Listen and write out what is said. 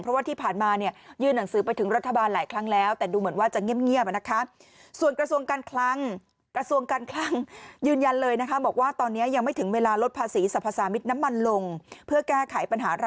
เพราะว่าที่ผ่านมายื่นหนังสือไปถึงรัฐบาลหลายครั้งแล้ว